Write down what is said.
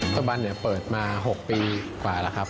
ปัจจุบันเปิดมา๖ปีกว่าแล้วครับ